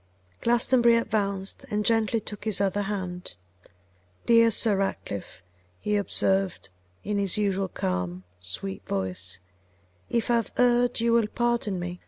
Glastonbury advanced, and gently took his other hand. 'Dear Sir Ratcliffe,' he observed, in his usual calm, sweet voice, 'if I have erred you will pardon me.